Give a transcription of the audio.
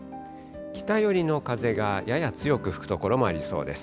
北寄りの風がやや強く吹く所もありそうです。